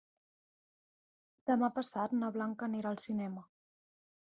Demà passat na Blanca anirà al cinema.